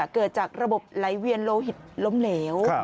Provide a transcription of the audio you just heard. เกิดจากระบบไหลเวียนโลหิตล้มเหลว